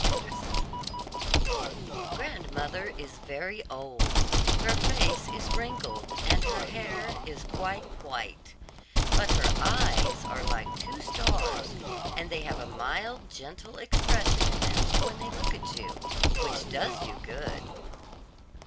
GRANDMOTHER Grandmother is very old, her face is wrinkled, and her hair is quite white; but her eyes are like two stars, and they have a mild, gentle expression in them when they look at you, which does you good.